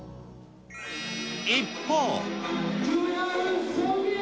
一方。